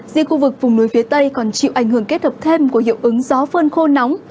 riêng khu vực vùng núi phía tây còn chịu ảnh hưởng kết hợp thêm của hiệu ứng gió phơn khô nóng